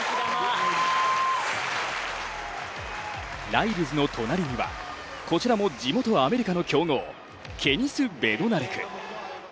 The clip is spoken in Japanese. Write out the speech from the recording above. ライルズの隣にはこちらも地元・アメリカの強豪ケニス・ベドナレク。